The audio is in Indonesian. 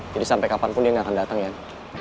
jadi sampai kapanpun dia gak akan dateng yan